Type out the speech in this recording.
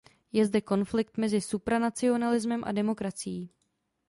Je zde konflikt mezi supranacionalismem a demokracií.